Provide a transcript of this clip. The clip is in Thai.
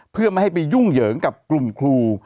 เพื่อไม่ให้ไปยุ่งเหยิงกับกลุ่มครู